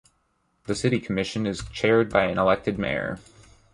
The City Commission is chaired by an elected Mayor.